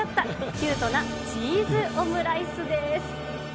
キュートなチーズオムライスです。